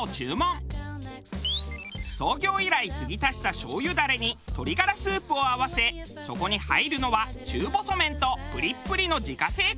創業以来継ぎ足した醤油ダレに鶏がらスープを合わせそこに入るのは中細麺とプリップリの自家製チャーシュー。